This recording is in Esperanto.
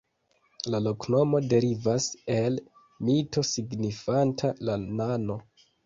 La loknomo derivas el mito signifanta "la nano".